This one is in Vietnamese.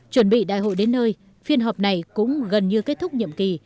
chuẩn bị đại hội đến nơi phiên họp này cũng gần như kết thúc nhiệm kỳ